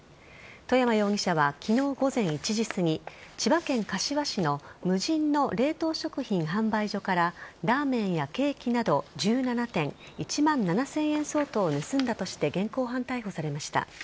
外山容疑者は昨日午前１時すぎ千葉県柏市の無人の冷凍食品販売所からラーメンやケーキなど１７点１万７０００円相当を盗んだとして現行犯逮捕されました。